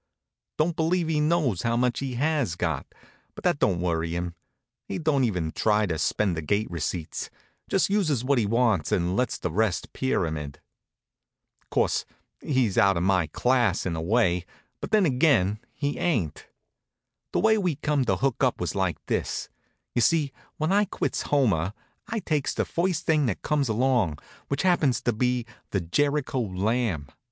Don't believe he knows how much he has got, but that don't worry him. He don't even try to spend the gate receipts; just uses what he wants and lets the rest pyramid. Course, he's out of my class in a way; but then again, he ain't. The way we come to hook up was like this: You see, when I quits Homer, I takes the first thing that comes along, which happens to be the Jericho Lamb.